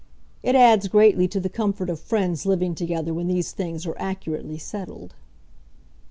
It adds greatly to the comfort of friends living together when these things are accurately settled.